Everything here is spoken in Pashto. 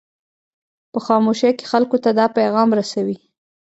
په خاموشۍ کې خلکو ته دا پیغام رسوي.